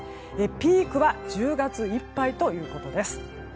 ピークは１０月いっぱいということです。